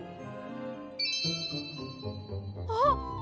あっ！